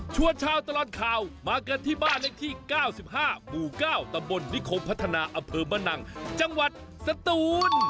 ชาวตลอดข่าวมากันที่บ้านเลขที่๙๕หมู่๙ตำบลนิคมพัฒนาอำเภอมะนังจังหวัดสตูน